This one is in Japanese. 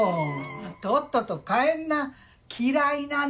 とっとと帰んな嫌いなの！